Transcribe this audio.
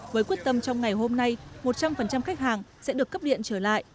với quyết tâm trong ngày hôm nay một trăm linh khách hàng sẽ được cấp điện trở lại